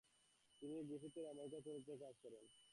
তিনি গ্রিফিথের আমেরিকা চলচ্চিত্রে কাজ করেন।